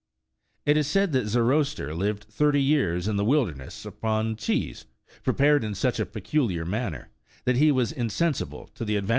It is said that Zoroaster lived thirty years in the wilderness upon cheese, prepared in such a peculiar manner, that he was insensible to the advances of old age.